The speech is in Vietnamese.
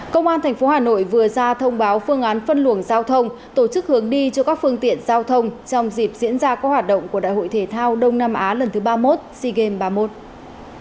công an tp hà nội vừa ra thông báo phương án phân luồng giao thông tổ chức hướng đi cho các phương tiện giao thông trong dịp diễn ra các hoạt động của đại hội thể thao đông nam á lần thứ ba mươi một sea games ba mươi một